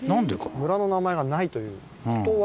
村の名前がないという事は。